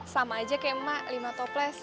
sama aja kayak mak lima toples